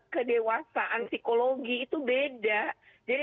kedewasaan psikologi itu beda jadi